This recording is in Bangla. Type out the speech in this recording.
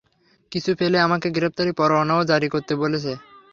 কিছু পেলে আমাকে গ্রেপ্তারি পরোয়ানাও জারি করতে বলেছে।